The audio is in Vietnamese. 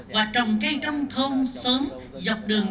và trồng cây trong thôn xóm dọc đường